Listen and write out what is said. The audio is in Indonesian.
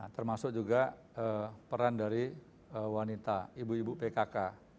termasuk juga peran dari wanita ibu ibu pkk